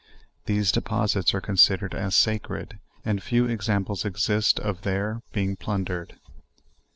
These deposits are considered as sacred, and few examples exist of there being plundered.